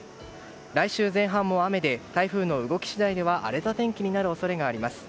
来週前半も雨で台風の動き次第では荒れた天気になる恐れがあります。